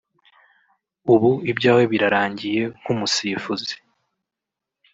ubu ibyawe birarangiye nk’umusifuzi